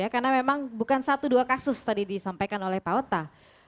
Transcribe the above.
karena memang bukan satu dua kasus tadi disampaikan oleh pak ota